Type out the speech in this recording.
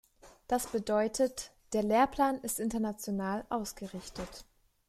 Das bedeutet: Der Lehrplan ist international ausgerichtet.